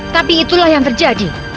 tapi itulah yang terjadi